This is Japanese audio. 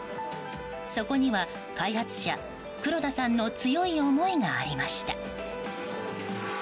そこには、開発者・黒田さんの強い思いがありました。